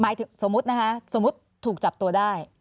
หมายถึงสมมตินะคะสมมติถูกจับตัวได้